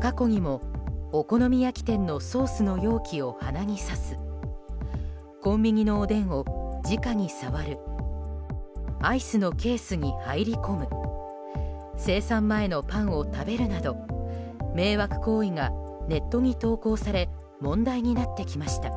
過去にも、お好み焼き店のソースの容器を鼻にさすコンビニのおでんをじかに触るアイスのケースに入り込む清算前のパンを食べるなど迷惑行為がネットに投稿され問題になってきました。